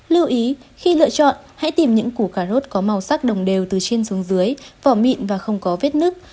lưu ý khi lựa chọn hãy tìm những củ cà rốt có màu sắc đồng đều từ trên xuống dưới vỏ mịn và không có vết nứt